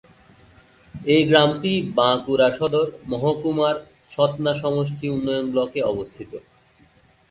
এই গ্রামটি বাঁকুড়া সদর মহকুমার ছাতনা সমষ্টি উন্নয়ন ব্লকে অবস্থিত।